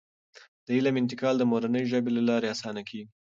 د علم انتقال د مورنۍ ژبې له لارې اسانه کیږي.